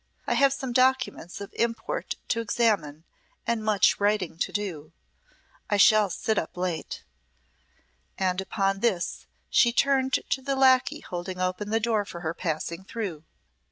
I have some documents of import to examine and much writing to do. I shall sit up late." And upon this she turned to the lacquey holding open the door for her passing through.